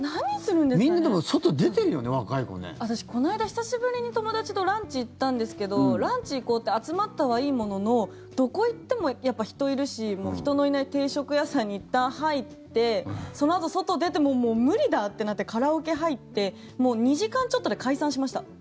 私この間、久しぶりに友達とランチ行ったんですけどランチ行こうって集まったはいいもののどこ行っても人いるし人のいない定食屋さんにいったん入ってそのあと外出て無理だってなってカラオケ入ってもう２時間ちょっとで解散しました。